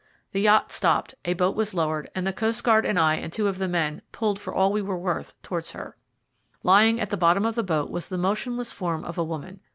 The yacht stopped, a boat was lowered, and the coastguard and I and two of the men pulled for all we were worth towards her. Lying at the bottom of the boat was the motionless form of a woman.